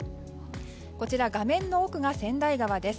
こちら画面の奥が川内川です。